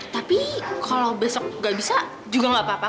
tapi kalau besok enggak bisa juga enggak apa apa